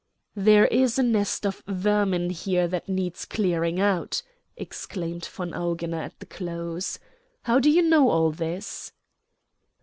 "There is a nest of vermin here that needs clearing out," exclaimed von Augener at the close. "How do you know all this?"